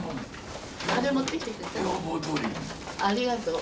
ありがとう。